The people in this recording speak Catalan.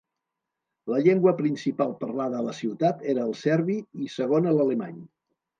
La llengua principal parlada a la ciutat era el serbi i segona l'alemany.